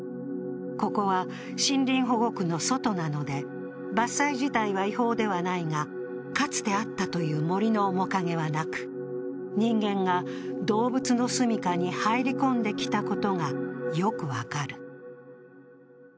ここは森林保護区の外なので、伐採自体は違法ではないがかつてあったという森の面影はなく人間が動物の住みかに入り込んできたことがよく分かる。